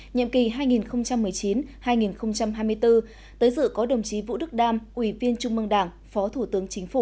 nhiệm kỳ hai nghìn một mươi chín hai nghìn hai mươi bốn tới dự có đồng chí vũ đức đam ủy viên trung mương đảng phó thủ tướng chính phủ